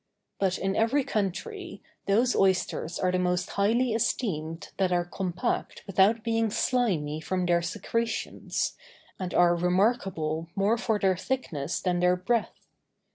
But in every country, those oysters are the most highly esteemed that are compact without being slimy from their secretions, and are remarkable more for their thickness than their breadth.